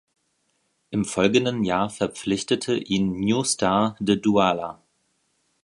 Im folgenden Jahr verpflichtete ihn New Star de Douala.